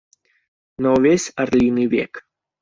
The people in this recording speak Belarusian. На ўвесь арліны век.